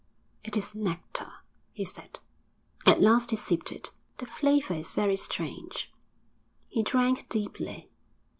'It is nectar,' he said. At last he sipped it. 'The flavour is very strange.' He drank deeply.